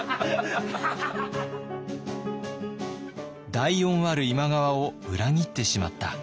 大恩ある今川を裏切ってしまった。